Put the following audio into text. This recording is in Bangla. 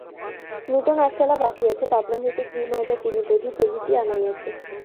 নূতন আটচালা বাঁধিয়াছে, পাবনা হইতে ঘি ময়দা চিনি দধি প্রভৃতি আনাইয়াছে।